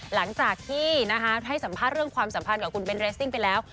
หลังจากที่ให้สัมภาษณ์เรื่องความสัมพันธ์กับคุณเบนเรสซิ่งไปแล้ว